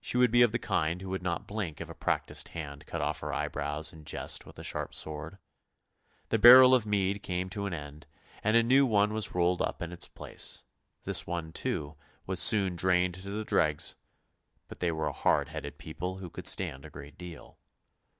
She would be of the kind who would not blink if a practised hand cut off her eyebrows in jest with a sharp sword. The barrel of mead came to an end, and a new one was rolled up in its place; this one, too, was soon drained to the dregs, but they were a hard headed people who could stand a great deal.